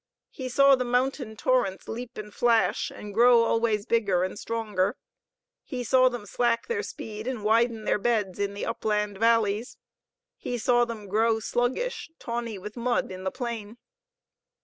He saw the mountain torrents leap and flash, and grow always bigger and stronger. He saw them slack their speed and widen their beds in the upland valleys. He saw them grow sluggish, tawny with mud, in the plain.